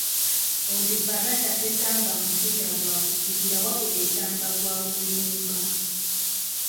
Onduparaka tesamba mupiira gwa kuzibira wabula esamba gwa kulumba.